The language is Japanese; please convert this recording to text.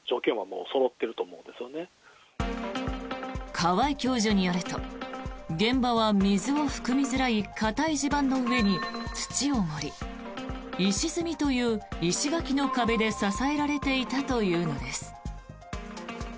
河井教授によると現場は水を含みづらい固い地盤の上に土を盛り石積みという石垣の壁で支えられていたというのです。